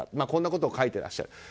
こんなことを書いていらっしゃる。